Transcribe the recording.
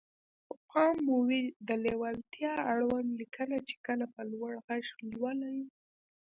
خو پام مو وي د ليوالتيا اړوند ليکنه چې کله په لوړ غږ لولئ.